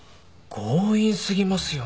強引過ぎますよね。